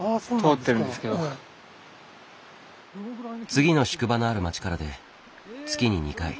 次の宿場のある町からで月に２回